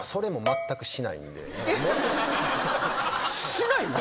しないの？